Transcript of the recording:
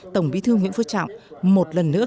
tổng bí thư nguyễn phú trọng một lần nữa